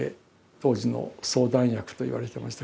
当時の相談役といわれてましたけど。